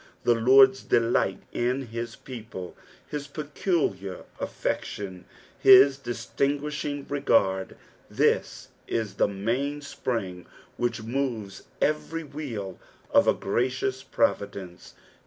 The Lord's delight in his people, his peculiar affection, his distinguishiug regard — this is the mainspring which moves every wheel of a gracious providence.